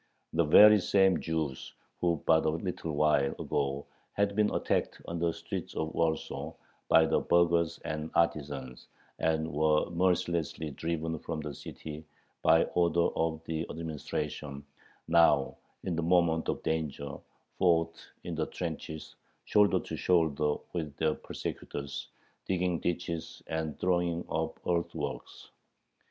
The very same Jews who but a little while ago had been attacked on the streets of Warsaw by the burghers and artisans, and were mercilessly driven from the city by order of the administration, now, in the moment of danger, fought in the trenches shoulder to shoulder with their persecutors, digging ditches and throwing up earthworks.